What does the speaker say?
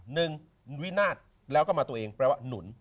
หนึ่งวินาศแล้วก็มาตัวเองแปลว่าหนุน